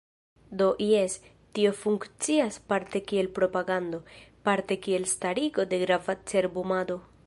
Do jes, tio funkcias parte kiel propagando, parte kiel starigo de grava cerbumado.